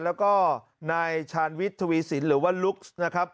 แล้วก็นายชาญวิทย์ทวีสินหรือว่าลุคนะครับ